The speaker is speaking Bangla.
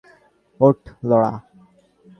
ওঠ, লরা।